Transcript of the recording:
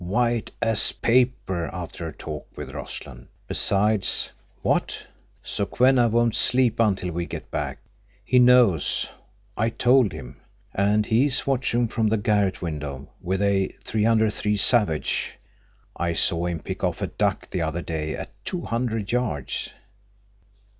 White as paper after her talk with Rossland. Besides—" "What?" "Sokwenna won't sleep until we get back. He knows. I told him. And he's watching from the garret window with a.303 Savage. I saw him pick off a duck the other day at two hundred yards."